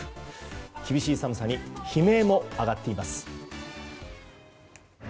厳しい寒さに悲鳴も上がっています。